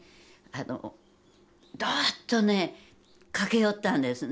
ドッとね駆け寄ったんですね。